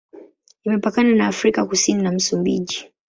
Imepakana na Afrika Kusini na Msumbiji.